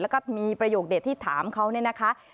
แล้วก็มีประโยคเด็ดที่ถามเขาเนี่ยนะคะ